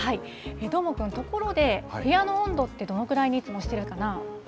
どーもくん、ところで、部屋の温度ってどのぐらいにいつもしてるかな？